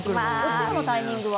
塩はタイミングは。